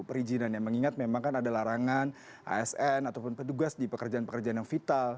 perizinan yang mengingat memang kan ada larangan asn ataupun petugas di pekerjaan pekerjaan yang vital